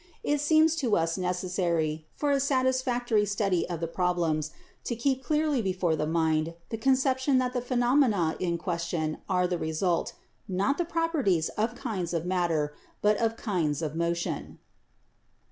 It seems to us necessary, for a satisfactory study of the problems, to keep clearly before the mind the con ception that the phenomena in question are the result, not of properties of kinds of matter, but of kinds of motion."